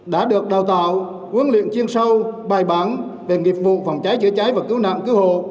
đã được đào tạo huấn luyện chuyên sâu bài bản về nghiệp vụ phòng cháy chữa cháy và cứu nạn cứu hộ